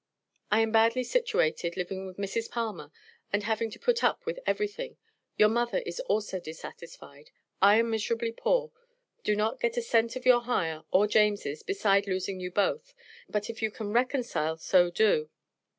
I am badly situated, living with Mrs. Palmer, and having to put up with everything your mother is also dissatisfied I am miserably poor, do not get a cent of your hire or James', besides losing you both, but if you can reconcile so do.